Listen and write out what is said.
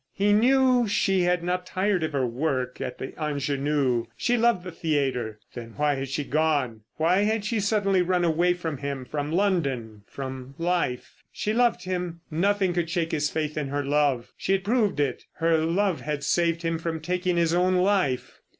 He knew she had not tired of her work at the Ingenue. She loved the theatre. Then why had she gone? Why had she suddenly run away from him, from London, from life? She loved him. Nothing could shake his faith in her love. She had proved it. Her love had saved him from taking his own life.